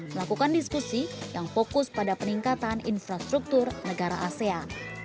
melakukan diskusi yang fokus pada peningkatan infrastruktur negara asean